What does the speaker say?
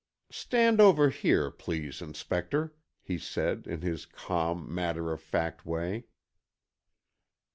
"Stand over here, please, Inspector," he said, in his calm, matter of fact way.